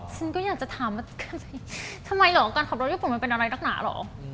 ฉันก็อยากจะถามว่าทำไมเหรอการขับรถญี่ปุ่นมันเป็นอะไรนักหนาเหรอ